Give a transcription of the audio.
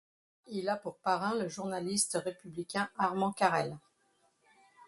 Il a pour parrain le journaliste républicain Armand Carrel.